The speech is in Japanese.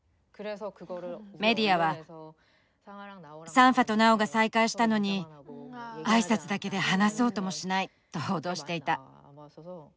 メディアは「サンファとナオが再会したのに挨拶だけで話そうともしない」と報道していた。